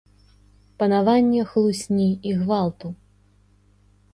Панаванне хлусні і гвалту.